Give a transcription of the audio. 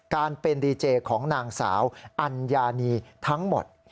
การเป็นดีเจของนางสาวอัญญานีทั้งหมด